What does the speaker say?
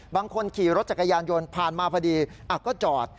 ขี่รถจักรยานยนต์ผ่านมาพอดีก็จอด